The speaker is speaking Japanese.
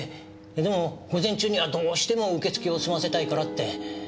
でも午前中にはどうしても受け付けを済ませたいからって。